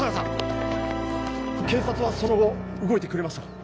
警察はその後動いてくれましたか？